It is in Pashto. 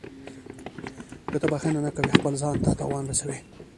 • که ته بښنه نه کوې، خپل ځان ته تاوان رسوې.